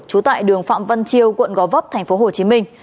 trú tại đường phạm văn chiêu quận gò vấp tp hcm